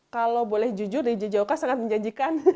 kalau boleh jujur jjok sangat menjanjikan